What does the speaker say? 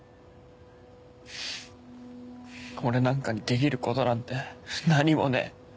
俺なんかにできることなんて何もねえ。